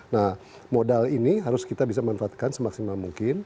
nah modal ini harus kita bisa manfaatkan semaksimal mungkin